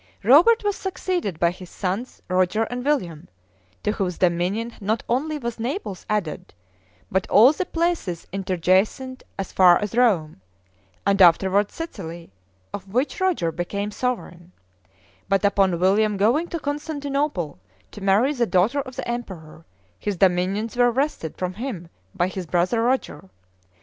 Robert was succeeded by his sons Roger and William, to whose dominion not only was Naples added, but all the places interjacent as far as Rome, and afterward Sicily, of which Roger became sovereign; but, upon William going to Constantinople, to marry the daughter of the emperor, his dominions were wrested from him by his brother Roger.